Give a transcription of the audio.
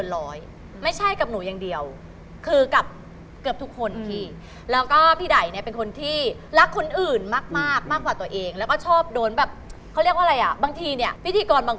แล้วก็เป็นคนที่แบบว่าชอบลงนะ